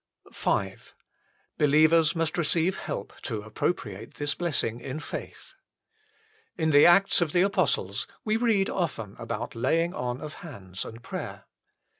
V Believers must receive help to appropriate this Messing in faith. In the Acts of the Apostles we read often about laying on of hands and prayer.